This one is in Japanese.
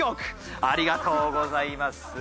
ありがとうございます。